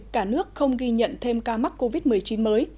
cả nước không ghi nhận thêm ca mắc covid một mươi chín mới